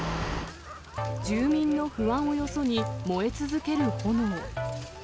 住民の不安をよそに燃え続ける炎。